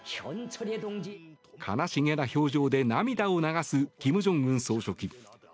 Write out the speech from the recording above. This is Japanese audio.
悲しげな表情で涙を流す金正恩総書記。